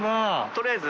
取りあえず。